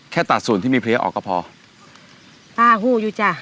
แค่ตัดส่วนที่มีเพลียออกก็พอป้าหู้อยู่จ้ะ